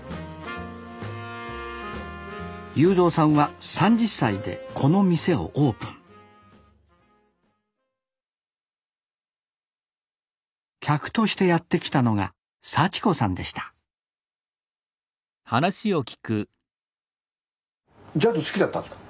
雄三さんは３０歳でこの店をオープン客としてやって来たのが幸子さんでしたジャズ好きだったんですか？